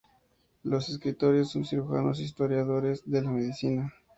Los escritores son cirujanos y historiadores de la medicina.